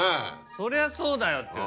そりゃそうだよっていうね。